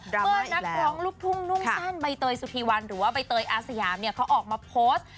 เมื่อนักร้องลูกทุ่งนุ่งสั้นใบเตยสุธีวันหรือว่าใบเตยอาสยามเนี่ยเขาออกมาโพสต์